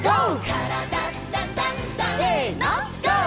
「からだダンダンダン」せのＧＯ！